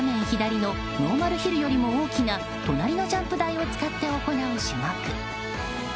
左のノーマルヒルよりも大きな隣のジャンプ台を使って行う種目。